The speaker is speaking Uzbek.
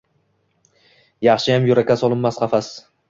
Yaxshiyam yurakka solinmas qafas.